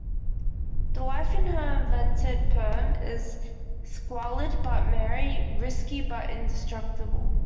The life in her invented Perm is squalid but merry, risky but indestructible.